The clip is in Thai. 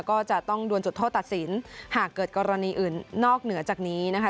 ก็จะต้องดวนจุดโทษตัดสินหากเกิดกรณีอื่นนอกเหนือจากนี้นะคะ